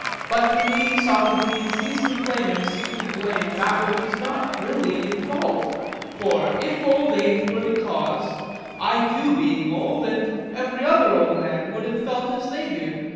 But to me, Socrates, these complainers seem to blame that which is not really in fault. For if old age were the cause, I too being old, and every other old man, would have felt as they do.